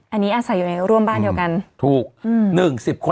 อันนี้อาศัยอยู่ในร่วมบ้านเดียวกันถูกอืมหนึ่งสิบคน